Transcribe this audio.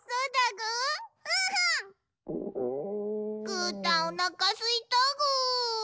ぐーたんおなかすいたぐ。